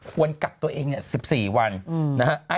ควรกลับตัวเองเนี่ย๑๔วันนะฮะ